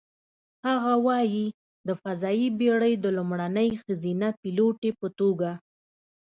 هغه وايي: "د فضايي بېړۍ د لومړنۍ ښځینه پیلوټې په توګه،